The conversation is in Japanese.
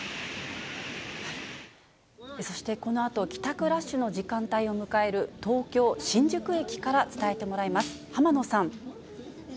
そしてこのあと、帰宅ラッシュの時間帯を迎える東京・新宿駅から伝えてもらいます。